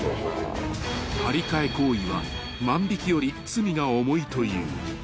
［貼り替え行為は万引より罪が重いという］